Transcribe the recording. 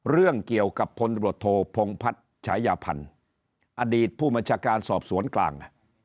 เรื่องเกี่ยวกับพศพงภัฏฉายาพันธ์อดีตผู้มจการสอบสวนกลาง